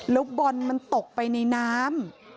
แล้วบอลมันตกไปในน้ำ